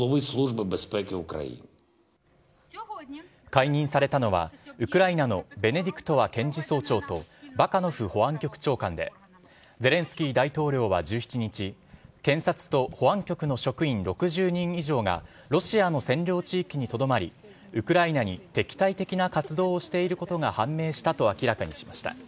解任されたのは、ウクライナのベネディクトワ検事総長と、バカノフ保安局長官で、ゼレンスキー大統領は１７日、検察と保安局の職員６０人以上が、ロシアの占領地域にとどまり、ウクライナに敵対的な活動をしていることが判明したと明らかにしました。